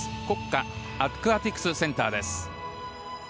国家アクアティクスセンターです。